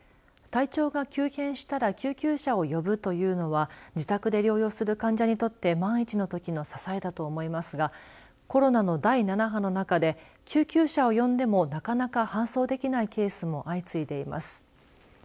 体調が急変したら救急車を呼ぶというのは自宅で療養する患者にとって万一のときの支えだと思いますがコロナの第７波の中で救急車を呼んでもなかなか搬送できないケースも相次いでいます。